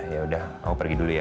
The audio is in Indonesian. ya udah mau pergi dulu ya